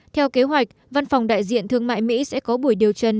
theo kế hoạch văn phòng đại diện thương mại mỹ sẽ có buổi điều trần